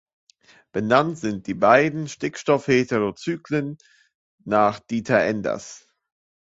Benannt sind die beiden Stickstoff-Heterocyclen nach Dieter Enders.